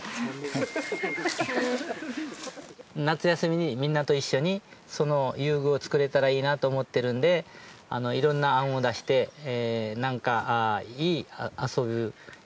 夏休みにみんなと一緒にその遊具を作れたらいいなと思っているのでいろんな案を出してなんかいい遊ぶ遊具を考えてください。